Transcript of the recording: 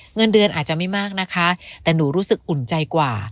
เงินเดือนอาจจะไม่มากนะคะแต่หนูรู้สึกอุ่นใจกว่า